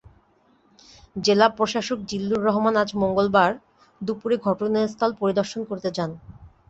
জেলা প্রশাসক জিল্লুর রহমান আজ মঙ্গলবার দুপুরে ঘটনাস্থল পরিদর্শন করতে যান।